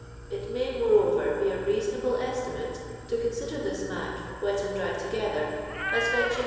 It may, moreover, be a reasonable estimate toconsidcrtiiis "mac," wet and dry together, as fetching Is.